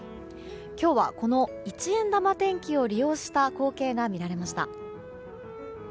今日は、この一円玉天気を利用した光景が見られました。